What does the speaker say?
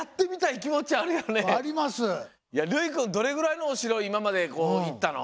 いやるいくんどれぐらいのお城いままで行ったの？